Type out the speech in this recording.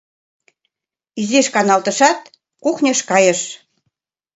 Изиш каналтышат, кухньыш кайыш.